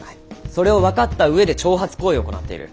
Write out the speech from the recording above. それを分かった上で挑発行為を行っている。